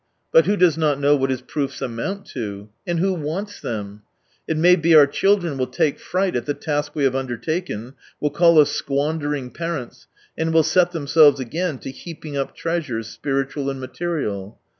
But who does not know what his proofs amount to ?— and who wants them ? It may be our children will take fright at the task we have undertaken, will call us " squandering parents," and will set them selves again to heaping up treasures, spiritual and material.